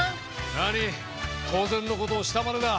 なに当然のことをしたまでだ。